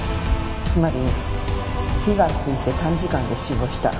つまり火がついて短時間で死亡した。